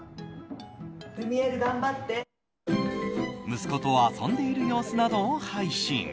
息子と遊んでいる様子などを配信。